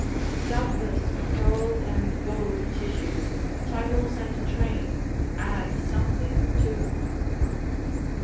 Doubtless pearls and gold tissue, titles and train, add something to it.